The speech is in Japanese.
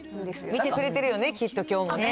見てくれてるよね、きっときょうもね。